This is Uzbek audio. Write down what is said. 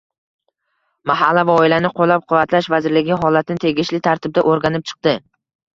Mahalla va oilani qo‘llab-quvvatlash vazirligi holatni tegishli tartibda o‘rganib chiqdi